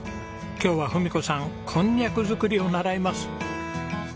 今日は郁子さんこんにゃく作りを習います。